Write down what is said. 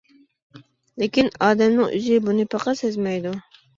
لېكىن، ئادەمنىڭ ئۆزى بۇنى پەقەت سەزمەيدۇ.